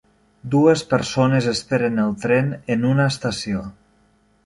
Dues persones esperen el tren en una estació.